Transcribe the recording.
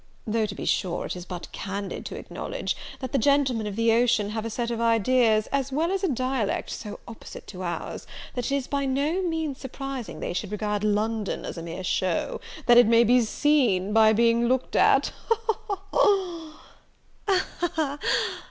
Though, to be sure, it is but candid to acknowledge, that the gentlemen of the ocean have a set of ideas, as well as a dialect, so opposite to our's, that it is by no means surprising they should regard London as a mere show, that may be seen by being looked at.